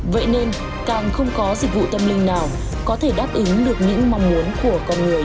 vậy nên càng không có dịch vụ tâm linh nào có thể đáp ứng được những mong muốn của con người